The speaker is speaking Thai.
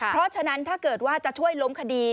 เพราะฉะนั้นถ้าเกิดว่าจะช่วยล้มคดี